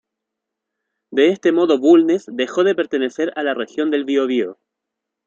De este modo Bulnes dejó de pertenecer a la Región del Biobío.